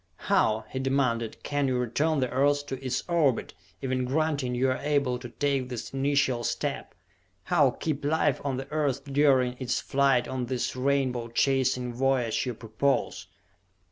"How," he demanded, "can you return the Earth to its orbit, even granting you are able to take this initial step? How keep life on the Earth during its flight on this rainbow chasing voyage you propose?"